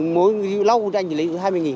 mỗi lâu anh thì lấy hai mươi nghìn